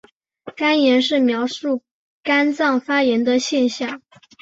肝炎是描述肝脏发炎的现象。